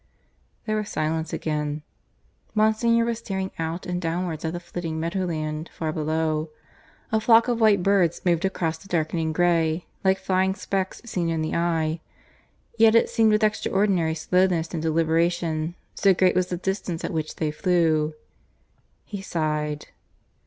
There was silence again. Monsignor was staring out and downwards at the flitting meadow land far below. A flock of white birds moved across the darkening grey, like flying specks seen in the eye, yet it seemed with extraordinary slowness and deliberation, so great was the distance at which they flew. He sighed.